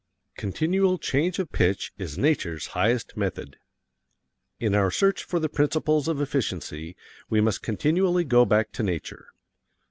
Continual Change of Pitch is Nature's Highest Method In our search for the principles of efficiency we must continually go back to nature.